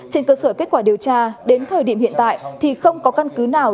trên cơ sở kết quả điều tra đến thời điểm hiện tại thì không có căn cứ nào